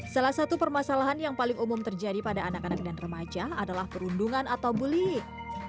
salah satu permasalahan yang paling umum terjadi pada anak anak dan remaja adalah perundungan atau bullying